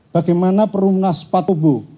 bagaimana perumahan nas patobu